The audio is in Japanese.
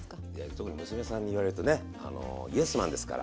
特に娘さんに言われるとねあのイエスマンですから。